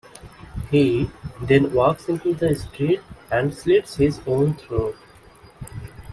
He then walks into the street and slits his own throat.